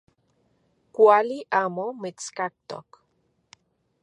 Kuali amo mitskaktok.